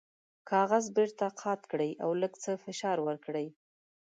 کاغذ بیرته قات کړئ او لږ څه فشار ورکړئ.